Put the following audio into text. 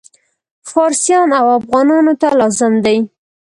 فارسیانو او افغانانو ته لازم دي.